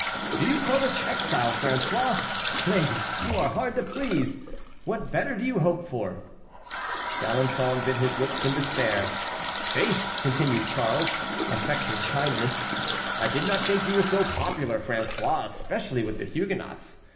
"Do you call this exile, François? Plague it, you are hard to please! What better do you hope for?" D'Alençon bit his lips in despair. "Faith!" continued Charles, affecting kindness, "I did not think you were so popular, François, especially with the Huguenots.